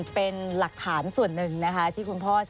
เป็นหลักฐานส่วนหนึ่งนะคะที่คุณพ่อใช้ทั้งในการเรียกร้องความเป็นทำ